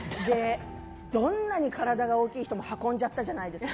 どんなに体が大きい人も運んじゃったじゃないですか。